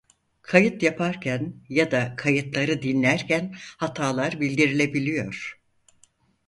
Kayıt yaparken ya da kayıtları dinlerken hatalar bildirilebiliyor.